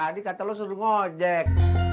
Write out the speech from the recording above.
tadi kata lo suruh ngojek